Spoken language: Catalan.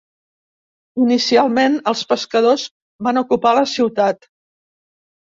Inicialment, els pescadors van ocupar la ciutat.